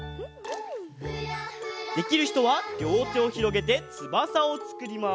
できるひとはりょうてをひろげてつばさをつくります。